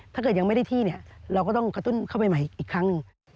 ถ้าเกิดยังไม่ได้ที่เนี่ยเราก็ต้องกระตุ้นเข้าไปใหม่อีกครั้งหนึ่ง